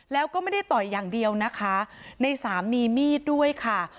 แล้วก็ไม่ได้ต่อยอย่างเดียวนะคะในสามมีมีดด้วยค่ะ